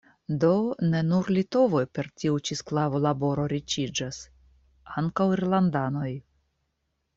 Do ne nur litovoj per tiu ĉi sklavo-laboro riĉiĝas – ankaŭ irlandanoj.